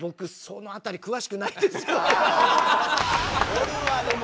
おるわでも。